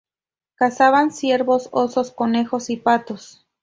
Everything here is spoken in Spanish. Cazaban ciervos, osos, conejos y patos.